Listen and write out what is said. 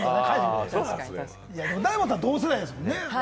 大門さんは同世代ですもんね。